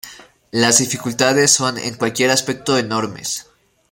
Las dificultades son en cualquier aspecto enormes.